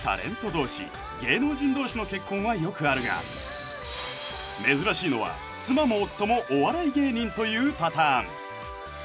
同士芸能人同士の結婚はよくあるが珍しいのは妻も夫もお笑い芸人というパターン